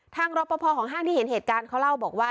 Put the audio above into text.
รอปภของห้างที่เห็นเหตุการณ์เขาเล่าบอกว่า